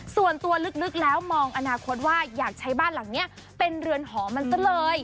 ส่วนตัวลึกแล้วมองอนาคตว่าอยากใช้บ้านหลังนี้เป็นเรือนหอมันซะเลย